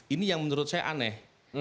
ini yang menurut saya aneh